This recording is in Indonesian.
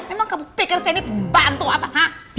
memang kamu pikir saya ini pembantu apa hah